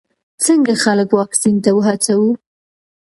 څنګه خلک واکسین ته وهڅوو؟